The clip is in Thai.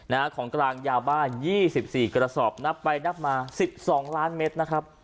ของกลางยาบ้ายี่สิบสี่กระสอบนับไปนับมาสิบสองล้านเมตรนะครับ